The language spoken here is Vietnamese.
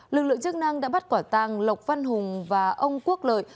lực lượng chức năng đã bắt quả tàng lộc văn hùng và ông quốc lợi